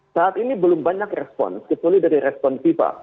saat ini belum banyak respons kecuali dari respon fifa